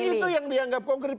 itu yang dianggap konkret